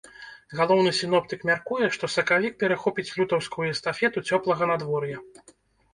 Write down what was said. Галоўны сіноптык мяркуе, што сакавік перахопіць лютаўскую эстафету цёплага надвор'я.